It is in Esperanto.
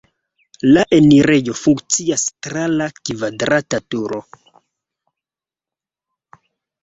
La enirejo funkcias tra la kvadrata turo.